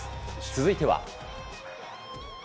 続いては。